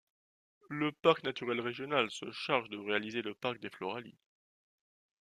Le Parc naturel régional se charge de réaliser le Parc des Floralies.